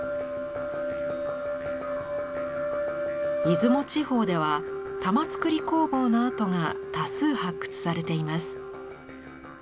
出雲地方では玉作り工房の跡が多数発掘されています。